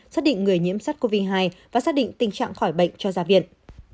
xác định người nhiễm sắc covid một mươi chín và xác định tình trạng khỏi bệnh cho gia đình